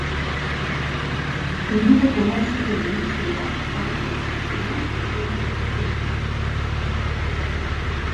Hirurek eman zuten dimisioa aurreko asteazkenean tragedia gertatu eta gero.